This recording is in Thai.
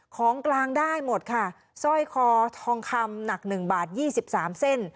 ของกลางได้หมดค่ะสร้อยคอทองคำหนัก๑บาท๒๓เส้น